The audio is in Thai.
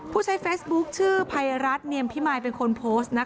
ผู้ใช้เฟซบุ๊คชื่อภัยรัฐเนียมพิมายเป็นคนโพสต์นะคะ